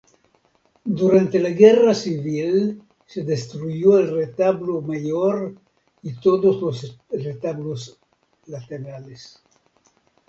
Durante la Guerra Civil se destruyó el retablo mayor y todos los retablos laterales.